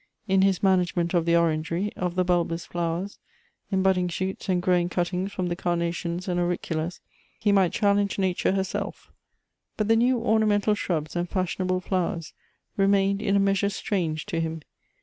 In his management of the orangery, of the bulbous flowers, in budding shoots .and growing cuttings from the carnations and auriculas, he might challenge nature h' r self But the new ornamental shrubs and fashionable flowers remained in a measure strange to him.